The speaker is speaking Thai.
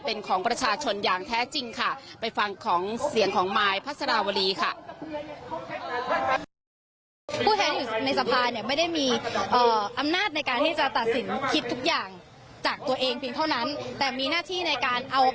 เป็นของประชาชนอย่างแท้จริงค่ะไปฟังของเสียงของมายพัสราวรีค่ะ